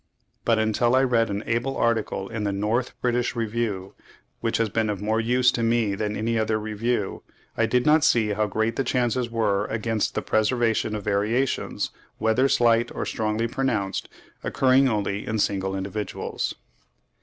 But until I read an able article in the 'North British Review' (March 1867, p. 289, et seq.), which has been of more use to me than any other Review, I did not see how great the chances were against the preservation of variations, whether slight or strongly pronounced, occurring only in single individuals.)